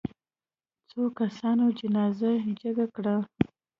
څو کسانو جنازه جګه کړه.